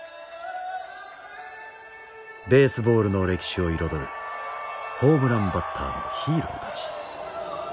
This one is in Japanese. ベースボールの歴史を彩るホームランバッターのヒーローたち。